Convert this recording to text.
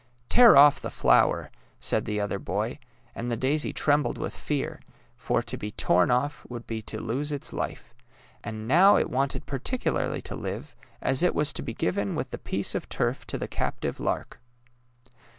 ^' Tear off the flower! " said the other boy, and the daisy trembled with fear, for to be 196 DAISY AND SUNFLOWER torn off would be to lose its life; and now it wanted particularly to live, as it was to be given with the piece of turf to the captive lark.